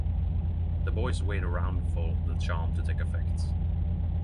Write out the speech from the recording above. The boys wait around for the charm to take effect.